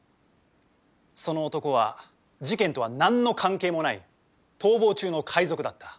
その男は事件とは何の関係もない逃亡中の海賊だった。